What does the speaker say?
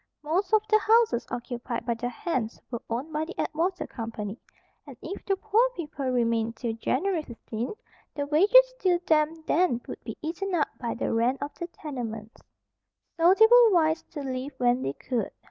Most of the houses occupied by the hands were owned by the Atwater Company, and if the poor people remained till January 15th, the wages due them then would be eaten up by the rent of the tenements. So they were wise to leave when they could.